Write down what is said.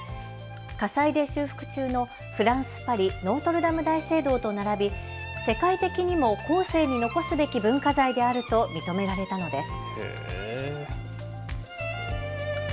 火災で修復中のフランス・パリ、ノートルダム大聖堂とならび世界的にも後世に残すべき文化財であると認められたのです。